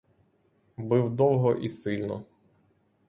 Бив довго і сильно.